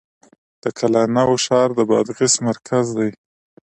د قلعه نو ښار د بادغیس مرکز دی